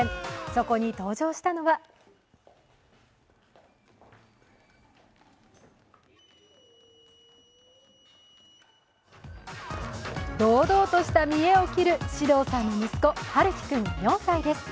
そこに登場したのは堂々とした見得を切る獅童さんの息子・陽喜君４歳です。